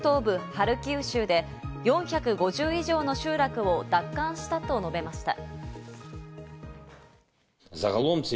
ハルキウ州で４５０以上の集落を奪還したと述べました。